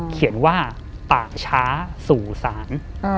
เขียนว่าป่าช้าสู่ศาล